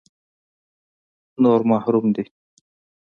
نور محروم دي.